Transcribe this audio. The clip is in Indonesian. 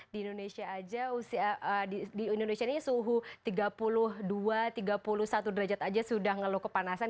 di indonesia aja di indonesia ini suhu tiga puluh dua tiga puluh satu derajat aja sudah ngeluh kepanasan